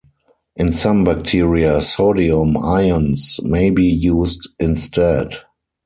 In some bacteria, sodium ions may be used instead.